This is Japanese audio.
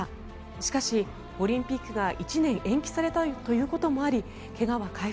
しかし、オリンピックが１年延期されたということもあり怪我は回復。